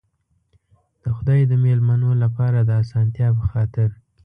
د خدای د مېلمنو لپاره د آسانتیا په خاطر.